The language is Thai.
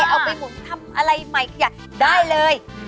เอาไปหมุนทำอะไรใหม่ขยะได้เลย